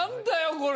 これ。